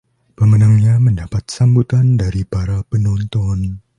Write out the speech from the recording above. Pemenangnya mendapat sambutan dari para penonton.